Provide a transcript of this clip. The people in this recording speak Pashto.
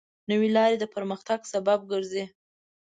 نوې لارې د پرمختګ سبب ګرځي.